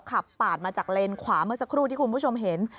ขับปาดมาจากเลนขวาเมื่อสักครู่ที่คุณผู้ชมเห็น